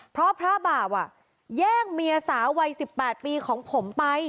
เพราะพระบาปแย่งเมียสาววัย๑๘ปีของผมไป